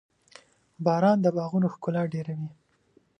• باران د باغونو ښکلا ډېروي.